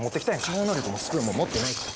超能力もスプーンも持ってないから。